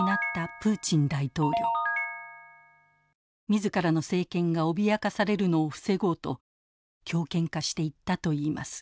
自らの政権が脅かされるのを防ごうと強権化していったといいます。